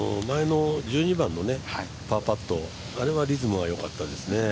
１２番のパーパットはリズムはよかったですよね。